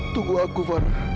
tunggu aku farah